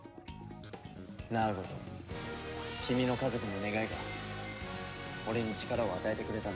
ナーゴと君の家族の願いが俺に力を与えてくれたんだ。